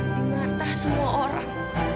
di mata semua orang